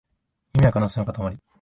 夢は可能性のかたまり